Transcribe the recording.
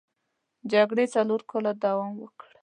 جګړې څلور کاله دوام وکړ.